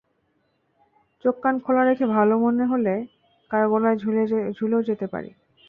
চোখকান খোলা রেখে ভালো মনে হলে কারো গলায় ঝুলেও যেতে পারি।